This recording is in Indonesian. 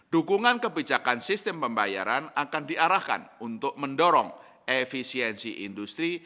dukungan kebijakan sistem pembayaran akan diarahkan untuk mendorong efisiensi industri